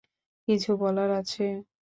কিছু বলার আছে?